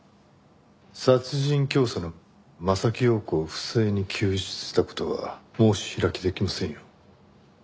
殺人教唆の柾庸子を不正に救出した事は申し開きできませんよ。